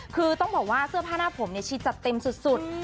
คือต้องบอกว่าเสื้อผ้าหน้าผมชีจัดเต็มสุด